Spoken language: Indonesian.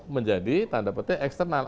menjadi tanda petik eksternal